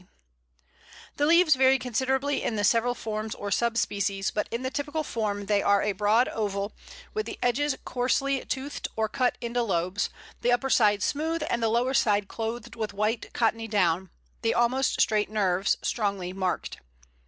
] The leaves vary considerably in the several forms or sub species, but in the typical form they are a broad oval, with the edges coarsely toothed or cut into lobes, the upper side smooth, and the lower side clothed with white cottony down, the almost straight nerves strongly marked.